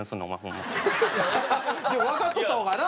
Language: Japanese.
でもわかっとった方がな？